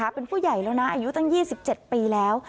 เป็นผู้ใหญ่แล้วนะอายุตั้ง๒๗ปีแล้ว